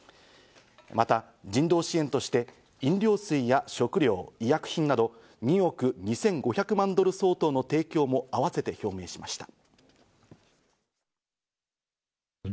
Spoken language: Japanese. また人道支援として飲料水や食料医、薬品など２億２５００万ドル相当の提供も併せて表明しました。